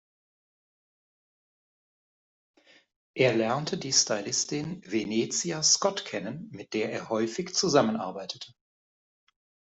Er lernte die Stylistin Venetia Scott kennen, mit der er häufig zusammenarbeitete.